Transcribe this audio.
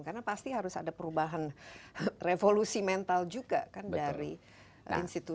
karena pasti harus ada perubahan revolusi mental juga kan dari institusi